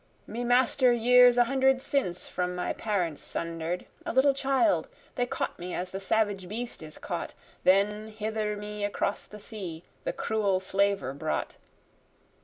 Me master years a hundred since from my parents sunder'd, A little child, they caught me as the savage beast is caught, Then hither me across the sea the cruel slaver brought.